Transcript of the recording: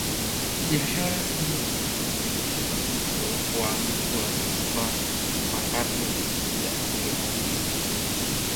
Biashara hiyo ikabadilisha uso wa mji wa Zanzibar wa karne ya kumi na tisa